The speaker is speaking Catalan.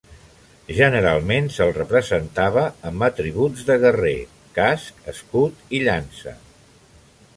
Generalment se'l representava amb atributs de guerrer: casc, escut, llança.